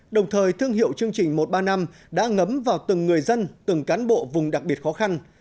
đồng thời thương hiệu chương trình một trăm ba mươi năm đã ngấm vào từng người dân từng cán bộ vùng đặc biệt khó khăn